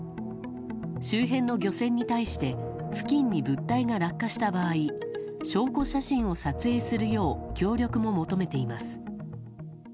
周辺の漁船に対して付近に物体が落下した場合証拠写真を撮影するよう協力も求めています。